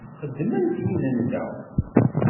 Xeddment yid-nteɣ.